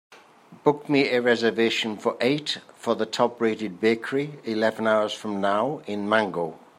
Book me a reservation for eight for the top-rated bakery eleven hours from now in Mango